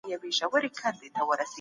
ډیپلوماټیکې خبري باید روښانه وي.